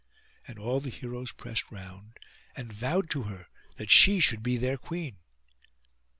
And all the heroes pressed round, and vowed to her that she should be their queen.